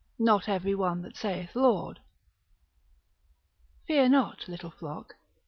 Not every one that saith Lord. Fear not little flock.